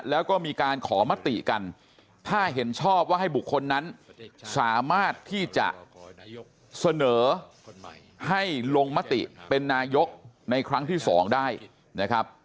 แล้วก็มีการขอมติกันถ้าเห็นชอบว่าให้บุคคลนั้นสามารถที่จะเสนอให้ลงมติเป็นนายกในครั้งที่๒ได้นะครับ